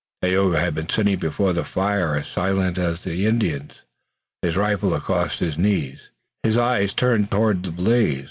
Tayoga had been sitting before the fire, as silent as the Canadian Indians, his rifle across his knees, his eyes turned toward the blaze.